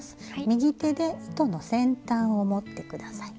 右手で糸の先端を持ってください。